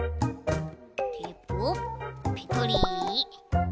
テープをペトリ。